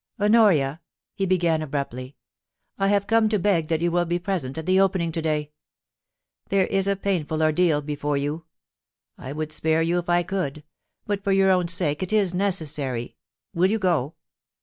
* Honoria !* he began abruptly, * I have come to beg that you will be present at the Opening to day. There is a pain ful ordeal before you. I would spare you if I could ; but for your own sake it is necessary. Will you go